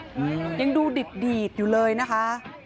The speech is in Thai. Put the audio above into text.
อืมยังดูดีดดีดอยู่เลยนะคะ